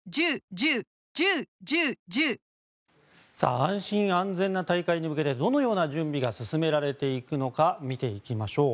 安心・安全な大会に向けてどのような準備が進められていくのか見ていきましょう。